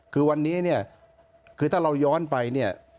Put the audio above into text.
คือวันนี้เนี่ยคือถ้าเราย้อนไปเนี่ย